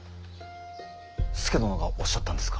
佐殿がおっしゃったんですか。